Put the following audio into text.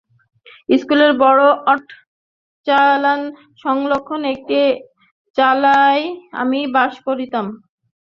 স্কুলের বড়ো আটচালার সংলগ্ন একটি চালায় আমি বাস করিতাম।